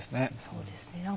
そうですね。